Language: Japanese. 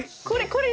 これ。